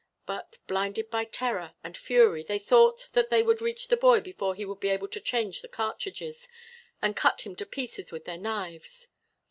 But blinded by terror and fury they thought that they would reach the boy before he would be able to change the cartridges, and cut him to pieces with their knives.